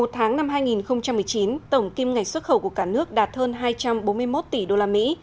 một mươi một tháng năm hai nghìn một mươi chín tổng kim ngày xuất khẩu của cả nước đạt hơn hai trăm bốn mươi một tỷ đô la mỹ